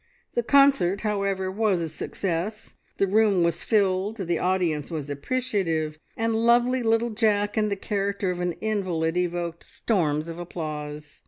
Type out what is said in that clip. The concert, however, was a success: the room was filled, the audience was appreciative, and lovely little Jack in the character of an invalid evoked storms of applause.